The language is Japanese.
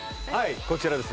こちらです